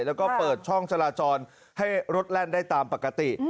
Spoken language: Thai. แล้วก็เปิดช่องจราจรให้รถแล่นได้ตามปกติ